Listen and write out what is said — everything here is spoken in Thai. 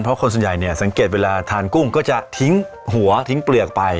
เพราะคนส่วนใหญ่เนี่ยสังเกตเวลาทานกุ้งก็จะทิ้งหัวทิ้งเปลือกไป